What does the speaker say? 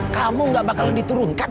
kamu tidak akan diturunkan